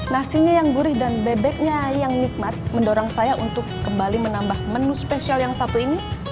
nasinya yang gurih dan bebeknya yang nikmat mendorong saya untuk kembali menambah menu spesial yang satu ini